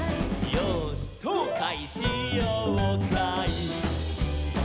「よーしそうかいしようかい」